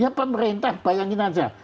ya pemerintah bayangin saja